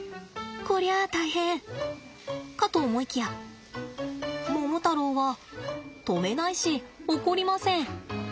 こりゃ大変かと思いきやモモタロウは止めないし怒りません。